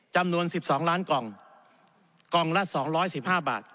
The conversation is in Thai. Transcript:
จำนวน๑๒ล้านกล่องกล่องละ๒๑๕บาท